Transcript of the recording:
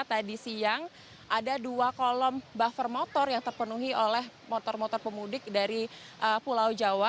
tadi siang ada dua kolom buffer motor yang terpenuhi oleh motor motor pemudik dari pulau jawa